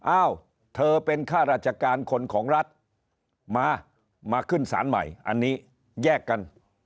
อ้าวเธอเป็นข้าราชการคนของรัฐมามาขึ้นสารใหม่อันนี้แยกกัน